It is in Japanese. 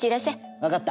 分かった！